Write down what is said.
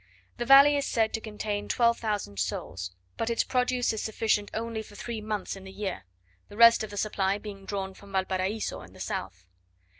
The valley is said to contain 12,000 souls, but its produce is sufficient only for three months in the year; the rest of the supply being drawn from Valparaiso and the south.